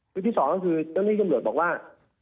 ชุดที่สองก็คือตำรวจบอกว่า